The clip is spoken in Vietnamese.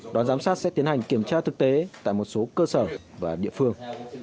đoàn giám sát sẽ tiến hành kiểm tra thực tế tại một số cơ sở và địa phương